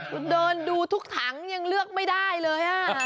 คุณเดินดูทุกถังยังเลือกไม่ได้เลย